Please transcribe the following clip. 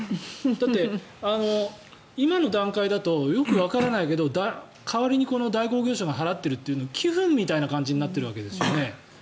だって、今の段階だとよくわからないけど代わりにこの代行業者が払っているのって寄付みたいな感じになっているわけですよね。